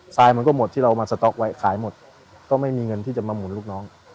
รายมันก็หมดที่เรามาสต๊อกไว้ขายหมดก็ไม่มีเงินที่จะมาหมุนลูกน้อง